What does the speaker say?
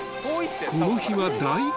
［この日は］